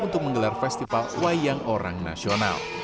untuk menggelar festival wayang orang nasional